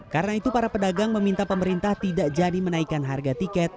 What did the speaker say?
karena itu para pedagang meminta pemerintah tidak jadi menaikan harga tiket